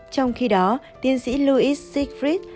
trong khi đó tiến sĩ louis ziegfeld